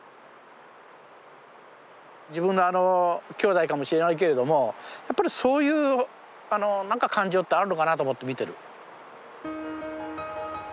自分の兄弟かもしれないけれどもやっぱりそういうなんか感情ってあるのかなと思って見てる。